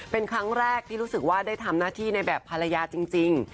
เป็นครั้งแรกที่รู้สึกว่าได้ทำหน้าที่ในแบบภรรยาจริง